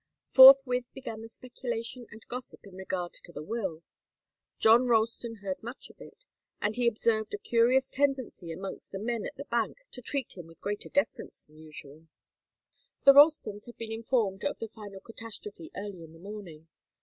Forthwith began the speculation and gossip in regard to the will. John Ralston heard much of it, and he observed a curious tendency amongst the men at the bank to treat him with greater deference than usual. The Ralstons had been informed of the final catastrophe early in the morning.